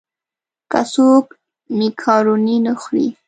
که څوک مېکاروني نه خوري.